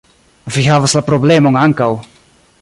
Vi havas la problemon ankaŭ